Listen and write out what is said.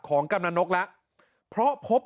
ของกำหนังนกแล้วเพราะพบ